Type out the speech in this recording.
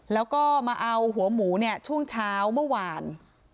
แล้วก็มาเอาหัวหมูเนี่ยช่วงเช้าเมื่อวาน